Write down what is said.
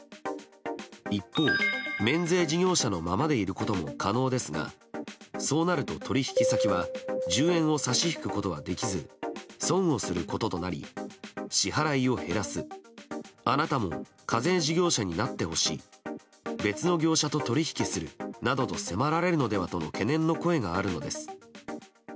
一方、免税事業者のままでいることも可能ですがそうなると、取引先は１０円を差し引くことはできず損をすることとなり支払いを減らすあなたも課税事業者になってほしい別の業者と取引するなどと迫られるのではとの懸念の声があるのです。